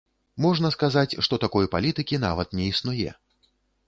Можна сказаць, што такой палітыкі нават не існуе.